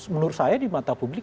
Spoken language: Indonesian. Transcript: menurut saya di mata publik